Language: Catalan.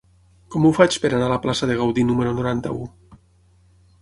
Com ho faig per anar a la plaça de Gaudí número noranta-u?